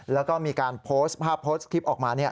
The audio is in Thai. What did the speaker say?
แล้วก็มีการโพสต์ภาพโพสต์คลิปออกมา